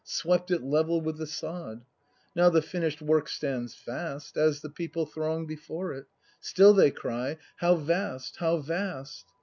Swept it level with the sod. Now the finish'd work stands fast. As the people throng before it. Still they cry: "How vast! how vast!"